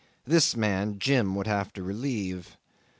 This man Jim would have to relieve.